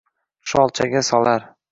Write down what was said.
sholchaga solar